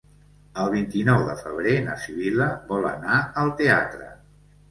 El vint-i-nou de febrer na Sibil·la vol anar al teatre.